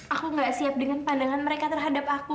aku gak siap dengan pandangan mereka terhadap aku